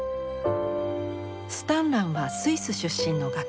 スタンランはスイス出身の画家。